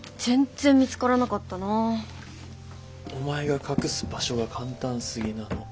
お前が隠す場所が簡単すぎなの。